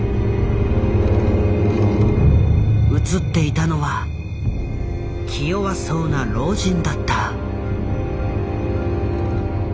写っていたのは気弱そうな老人だった。